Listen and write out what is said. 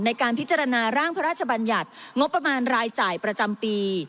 ในการพิจารณาร่างพระราชบัญญัติงบประมาณรายจ่ายประจำปี